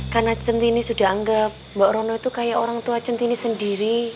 karena centini sudah anggap mbak rono itu kayak orang tua centini